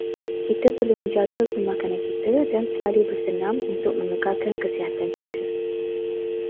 Kita perlu menjaga pemakanan kita dan selalu bersenam untuk mengekalkan kesihatan kita.